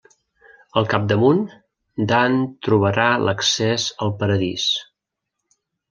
Al capdamunt, Dant trobarà l'accés al Paradís.